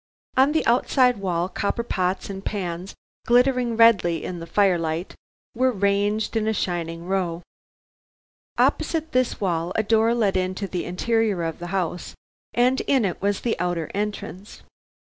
On the outside wall copper pots and pans, glittering redly in the firelight, were ranged in a shining row. Opposite this wall, a door led into the interior of the house, and in it was the outer entrance.